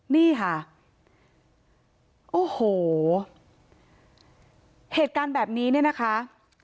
นี่ค่ะโอ้โหเหตุการณ์แบบนี้เนี่ยนะคะ